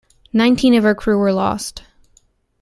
Nineteen of her crew were lost.